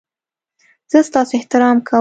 زه ستاسو احترام کوم